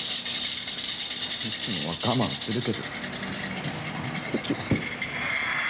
いつもは我慢するけどでもあの時は。